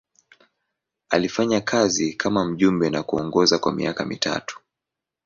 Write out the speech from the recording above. Alifanya kazi kama mjumbe na kuongoza kwa miaka mitatu.